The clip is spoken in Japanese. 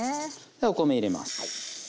お米入れます。